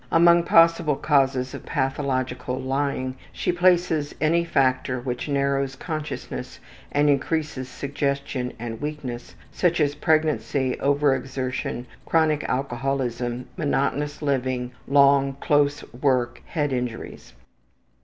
Among possible causes of pathological lying she places any factor which narrows consciousness and increases suggestion and weakness, such as pregnancy, overexertion, chronic alcoholism, monotonous living, long, close work, head injuries.